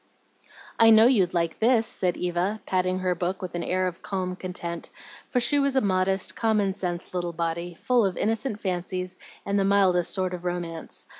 "I know you'd like this," said Eva, patting her book with an air of calm content; for she was a modest, common sense little body, full of innocent fancies and the mildest sort of romance.